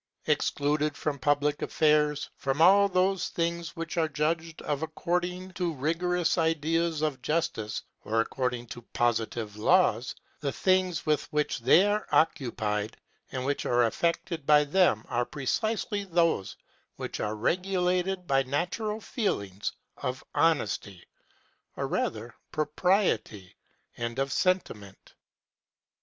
Excluded from public affairs, from all those things which are judged of according to rigorous ideas of justice, or according to positive laws, the things with which they are occupied and which are affected by them are precisely those which are regulated by natural feelings of honesty (or, rather, propriety) and of sentiment.